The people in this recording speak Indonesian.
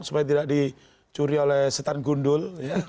supaya tidak dicuri oleh setan gundul